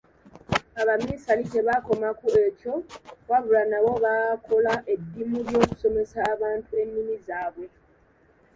Abaminsani tebaakoma ku ekyo wabula nabo baakola eddimu ly’okusomesa abantu ennimi zaabwe.